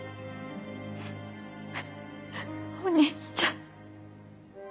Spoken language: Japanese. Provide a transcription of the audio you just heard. お兄ちゃん。